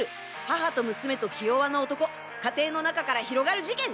母と娘と気弱な男家庭の中から広がる事件！